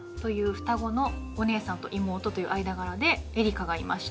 双子のお姉さんと妹という間柄でエリカがいまして。